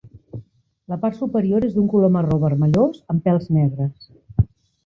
La part superior és d'un color marró vermellós, amb pèls negres.